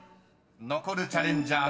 ［残るチャレンジャー３人。